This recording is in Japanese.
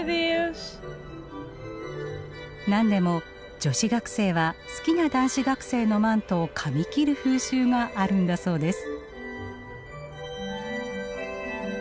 なんでも女子学生は好きな男子学生のマントをかみ切る風習があるんだそうです。